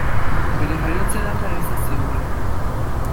Bere jaiotze data ez da ziurra.